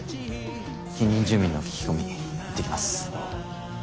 近隣住民の聞き込み行ってきます。